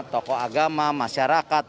tokoh agama masyarakat